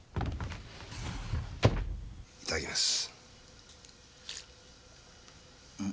いただきます。